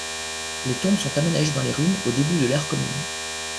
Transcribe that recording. Les tombes sont aménagées dans les ruines au début de l’ère commune.